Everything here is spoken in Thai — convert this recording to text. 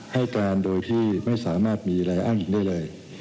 ให้การโดยที่ไม่สามารถมีอะไรอ้างอิงได้เลย